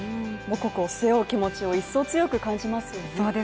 母国を背負う気持ちを一層強く感じますね。